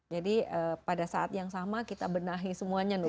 jadi pada saat yang sama kita benahi semuanya